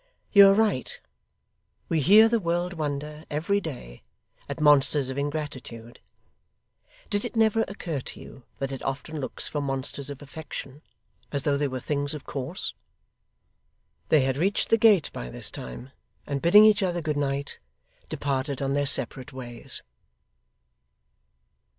'You are right. We hear the world wonder, every day, at monsters of ingratitude. Did it never occur to you that it often looks for monsters of affection, as though they were things of course?' They had reached the gate by this time, and bidding each other good night, departed on their separate ways.